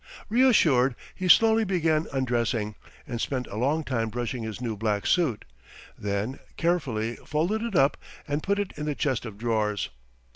Reassured, he slowly began undressing, and spent a long time brushing his new black suit, then carefully folded it up and put it in the chest of drawers.